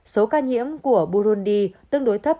số ca nhiễm của burundi tương đối thấp